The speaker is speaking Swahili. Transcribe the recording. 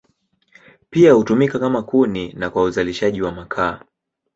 Pia hutumika kama kuni na kwa uzalishaji wa makaa.